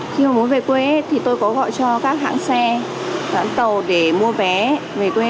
khi mà muốn về quê thì tôi có gọi cho các hãng xe gắn tàu để mua vé về quê